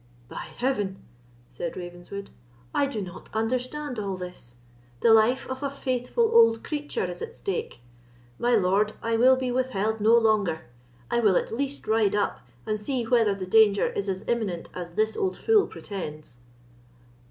"By heaven," said Ravenswood, "I do not understand all this! The life of a faithful old creature is at stake; my lord, I will be withheld no longer; I will at least ride up, and see whether the danger is as imminent as this old fool pretends."